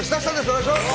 お願いします。